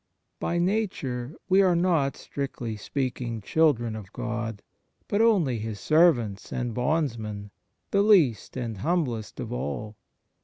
1 By nature we are not, strictly speak ing, children of God, but only His servants and bondsmen, the least and humblest of all.